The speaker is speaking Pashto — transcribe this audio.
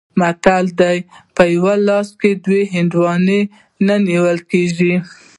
متل دی: په یوه لاس کې دوه هندواڼې نه نیول کېږي.